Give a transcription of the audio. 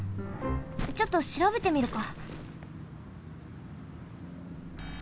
ちょっとしらべてみるか。